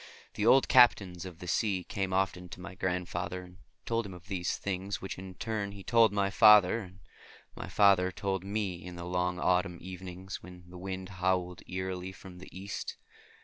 The old captains of the sea came often to my grandfather and told him of these things which in turn he told to my father, and my father told to me in the long autumn evenings when the wind howled eerily from the East.